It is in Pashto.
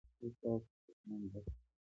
ایا ستاسو دکان ډک دی؟